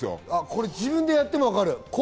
自分でやっても分かる。